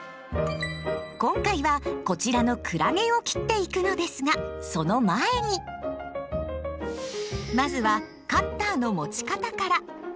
今回はこちらの「クラゲ」を切っていくのですがその前にまずはカッターの持ち方から。